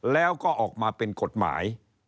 แล้วก็ออกมาเป็นกฎหมาย